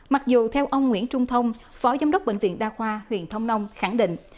mặc dù theo ông nguyễn trung thông phó giám đốc bệnh viện đa khoa huyện thông nông khẳng định